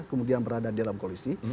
kemudian berada di dalam koalisi